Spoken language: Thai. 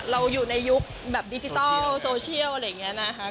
เราอยู่ในยุคแบบดิจิทัลโซเชียลอะไรอย่างนี้นะคะ